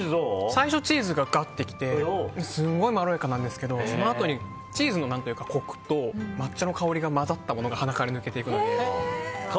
最初チーズがきてすごいまろやかなんですけどそのあとにチーズのコクと抹茶の香りが混ざったものが鼻から抜けていくので。